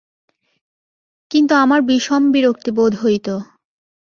কিন্তু আমার বিষম বিরক্তি বোধ হইত।